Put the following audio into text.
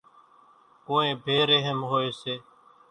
ڪونئين ڀيَ ريحم هوئيَ سي۔